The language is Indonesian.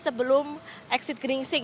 sebelum exit geringsing